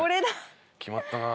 決まったな。